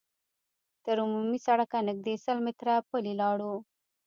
تر عمومي سړکه نږدې سل متره پلي لاړو.